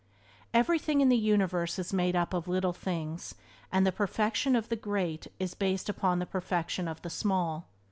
Everything in the universe is made up of little things, and the perfection of the great is based upon the perfection of the small.